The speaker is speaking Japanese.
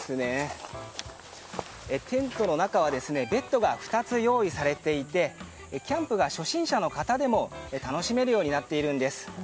テントの中はベッドが２つ用意されていてキャンプが初心者の方でも楽しめるようになっているんです。